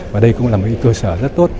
và đây cũng là một cơ sở rất tốt